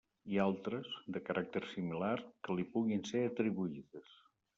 I altres, de caràcter similar, que li puguin ser atribuïdes.